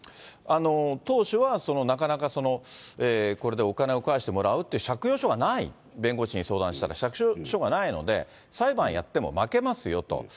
当初はなかなかこれでお金を返してもらうという借用書がない、弁護士に相談したら、借用書がないので、裁判やっても負けますよと。